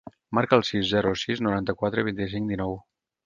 Marca el sis, zero, sis, noranta-quatre, vint-i-cinc, dinou.